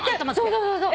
そうそうそうそう。